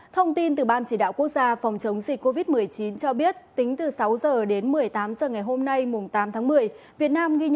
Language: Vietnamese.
thông tin từ ban chỉ đạo quốc gia phòng chống dịch covid một mươi chín cho biết tính từ sáu h đến một mươi tám h ngày hôm nay tám tháng một mươi